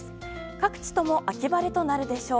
各地とも秋晴れとなるでしょう。